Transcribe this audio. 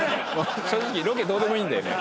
正直ロケどうでもいいんだよね。